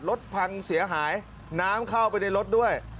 รถพังเสียหายน้ำเข้าไปในรถด้วย